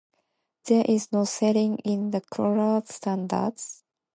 There is no setting in the colour standards.